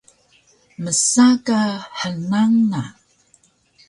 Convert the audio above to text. Msa ka hnang na